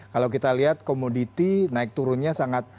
kalau kita lihat komoditi naik turunnya sangat